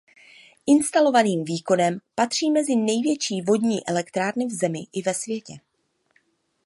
Instalovaným výkonem patří mezi největší vodní elektrárny v zemi i ve světě.